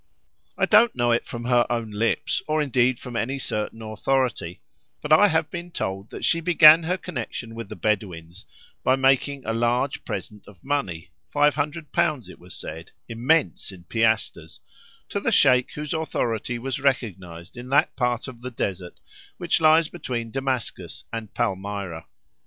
I don't know it from her own lips, or indeed from any certain authority, but I have been told that she began her connection with the Bedouins by making a large present of money (£500 it was said—immense in piastres) to the Sheik whose authority was recognised in that part of the desert which lies between Damascus and Palmyra.